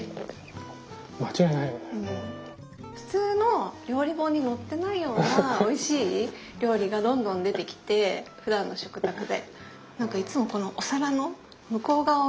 普通の料理本に載ってないようなおいしい料理がどんどん出てきてふだんの食卓で。